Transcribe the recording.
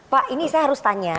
pak ini saya harus tanya